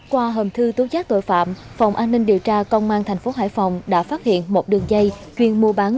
qua hầm thư tố giác tội phạm phòng an ninh điều tra công an thành phố hải phòng đã phát hiện một đường dây chuyên mua bán